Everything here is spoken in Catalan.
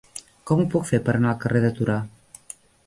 Com ho puc fer per anar al carrer de Torà?